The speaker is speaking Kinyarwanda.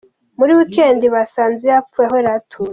Muri week end basanze yapfuye aho yari atuye.